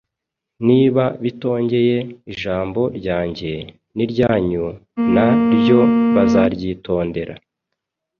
niba bitondeye ijambo ryanjye, n’iryanyu na ryo bazaryitondera.